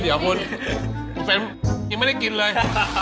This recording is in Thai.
เดี๋ยวคุณไม่ได้กินเลย